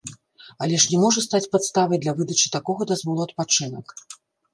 Але ж не можа стаць падставай для выдачы такога дазволу адпачынак.